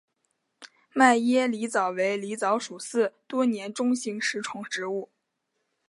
迈耶狸藻为狸藻属似多年中型食虫植物。